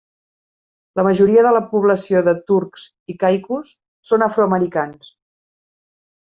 La majoria de la població de Turks i Caicos són afroamericans.